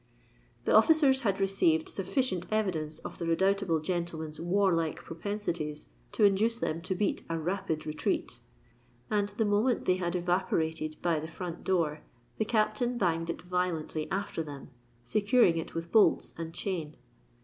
The officers had received sufficient evidence of the redoubtable gentleman's warlike propensities, to induce them to beat a rapid retreat,—and the moment they had evaporated by the front door, the Captain banged it violently after them, securing it with bolts and chain.